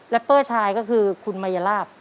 เปอร์ชายก็คือคุณมายลาบ